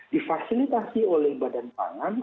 difasilitasi oleh badan tangan